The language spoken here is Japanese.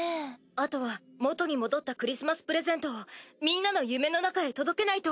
あとは元に戻ったクリスマスプレゼントをみんなの夢の中へ届けないと。